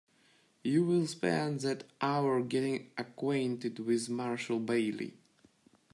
You will spend that hour getting acquainted with Marshall Bailey.